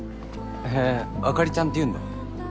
へえあかりちゃんって言うんだ